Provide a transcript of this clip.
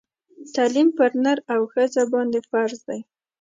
تعلیم پر نر او ښځه باندي فرض دی